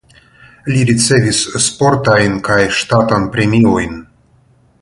Li ricevis sportajn kaj ŝtatan premiojn.